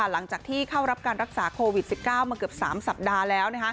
หลังจากที่เข้ารับการรักษาโควิด๑๙มาเกือบ๓สัปดาห์แล้ว